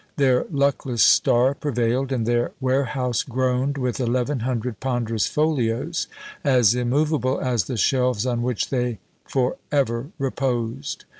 Their luckless star prevailed, and their warehouse groaned with eleven hundred ponderous folios, as immovable as the shelves on which they for ever reposed!